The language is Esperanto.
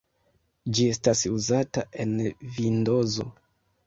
Ĝi estas uzata en Vindozo.